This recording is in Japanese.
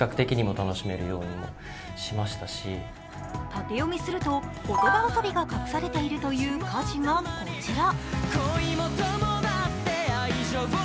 縦読みすると言葉遊びが隠されているという歌詞がこちら。